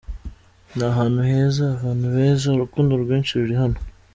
Ni ahantu heza, abantu beza, urukundo rwinshi ruri hano.